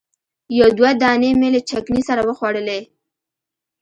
یو دوه دانې مې له چکني سره وخوړلې.